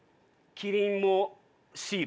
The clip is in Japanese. キリンモシール？